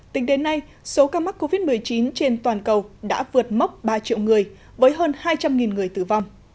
tính đến nay số ca mắc covid một mươi chín trên toàn cầu đã vượt mốc ba triệu người với hơn hai trăm linh người tử vong